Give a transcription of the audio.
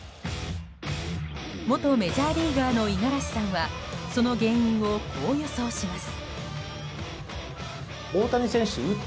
元メジャーリーガーの五十嵐さんはその原因をこう予想します。